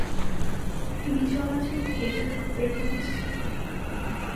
তিনি "চলাচল" থিয়েটার গ্রুপের প্রতিষ্ঠাতা।